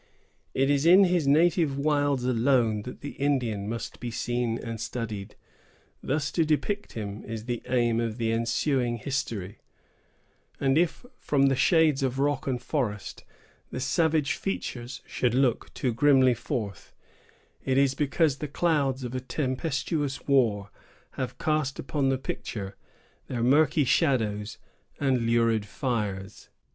It is in his native wilds alone that the Indian must be seen and studied. Thus to depict him is the aim of the ensuing History; and if, from the shades of rock and forest, the savage features should look too grimly forth, it is because the clouds of a tempestuous war have cast upon the picture their murky shadows and lurid fires.